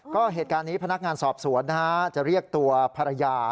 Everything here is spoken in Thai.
ก็เหตุการณ์นี้พนักงานสอบสวนนะฮะจะเรียกตัวภรรยา